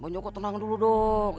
monyoko tenang dulu dong ya